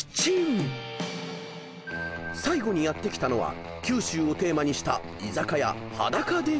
［最後にやって来たのは九州をテーマにした居酒屋］